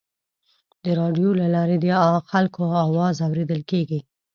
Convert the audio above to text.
د راډیو له لارې د خلکو اواز اورېدل کېږي.